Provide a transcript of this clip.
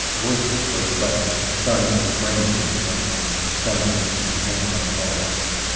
Voices were heard threatening, some that his brains should be blown out, some that he should be hanged on the walls.